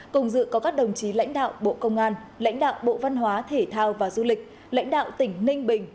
cùng dự có các đồng chí lãnh đạo bộ công an lãnh đạo bộ văn hóa thể thao và du lịch lãnh đạo tỉnh ninh bình